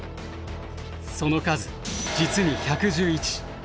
その数実に１１１。